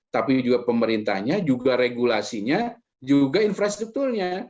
tapi juga pemerintahnya juga regulasinya juga infrastrukturnya